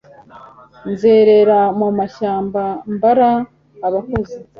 nzerera mu mashyamba, mbara abakozi